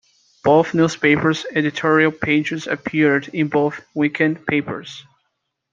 Both newspapers' editorial pages appeared in both weekend papers.